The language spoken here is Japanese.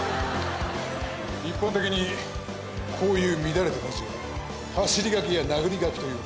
一般的にこういう乱れた文字は走り書きや殴り書きと言う。